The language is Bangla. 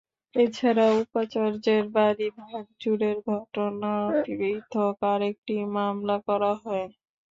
এ ছাড়া উপাচার্যের বাড়ি ভাঙচুরের ঘটনায় পৃথক আরেকটি মামলা করা হয়।